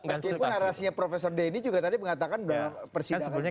meskipun arasinya profesor d ini juga tadi mengatakan bahwa persidangan bisa menjadi bukti